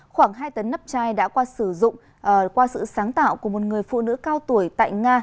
khoảng hai tấn nắp chai đã qua sử dụng qua sự sáng tạo của một người phụ nữ cao tuổi tại nga